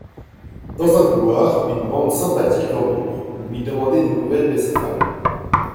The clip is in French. Dans un couloir, une bande sympathique l'entoure, lui demandé des nouvelles de ses femmes.